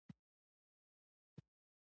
• ځینې نومونه د غرونو او سیندونو نومونه دي.